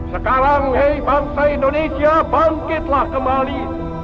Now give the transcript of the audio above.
sekarang hei bangsa indonesia bangkitlah kembali